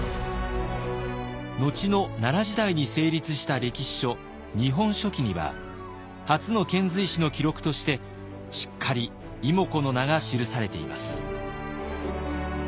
後の奈良時代に成立した歴史書「日本書紀」には初の遣隋使の記録としてしっかり妹子の名が記されています。